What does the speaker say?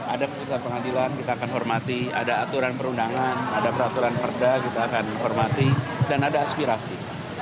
ada keputusan pengadilan kita akan hormati ada aturan perundangan ada peraturan perda kita akan hormati dan ada aspirasi